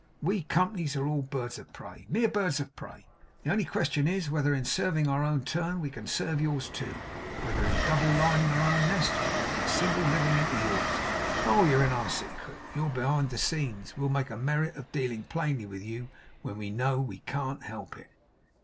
We companies are all birds of prey; mere birds of prey. The only question is, whether in serving our own turn, we can serve yours too; whether in double lining our own nest, we can put a single living into yours. Oh, you're in our secret. You're behind the scenes. We'll make a merit of dealing plainly with you, when we know we can't help it.